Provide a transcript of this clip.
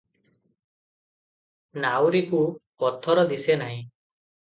ନାଉରୀକୁ ପଥର ଦିଶେନାହିଁ ।